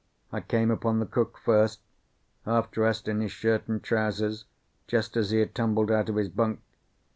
I came upon the cook first, half dressed in his shirt and trousers, just as he had tumbled out of his bunk.